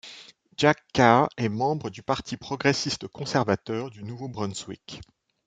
Jack Carr est membre du Parti progressiste-conservateur du Nouveau-Brunswick.